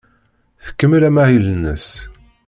Tkemmel amahil-nnes.